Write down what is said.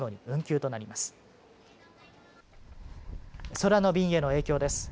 空の便への影響です。